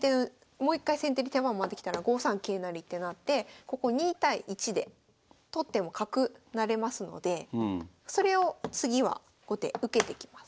もう一回先手に手番回ってきたら５三桂成ってなってここ２対１で取っても角成れますのでそれを次は後手受けてきます。